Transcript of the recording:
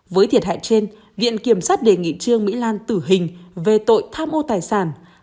với thiệt hại trên viện kiểm sát đề nghị trương mỹ lan tử hình về tội tham ô tài sản